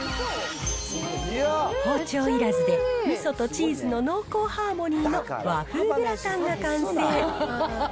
包丁いらずでみそとチーズの濃厚ハーモニーの和風グラタンが完成。